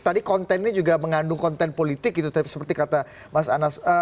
tadi konten ini juga mengandung konten politik gitu seperti kata mas anas